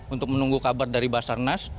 untuk menunggu kabar dari basarnas